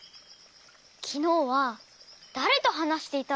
きのうはだれとはなしていたんですか？